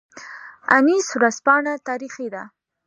انیس ورځپاڼه تاریخي ده